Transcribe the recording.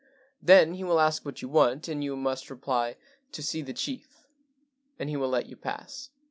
Then he will ask what you want, and you must reply, ' To see the chief,' and he will let you pass.